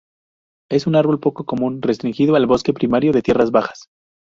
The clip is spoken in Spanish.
Es un árbol poco común restringido al bosque primario de tierras bajas.